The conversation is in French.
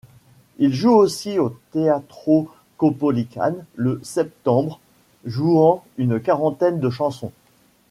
Ils jouent aussi au Teatro Caupolicán le septembre jouant une quarantaine de chansons.